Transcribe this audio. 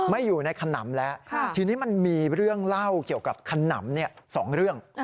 ไม่อยู่ในขนำแล้วทีนี้มันมีเรื่องเล่าเกี่ยวกับขนำ๒เรื่อง